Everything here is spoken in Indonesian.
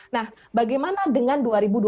nah bagaimana dengan dua ribu dua puluh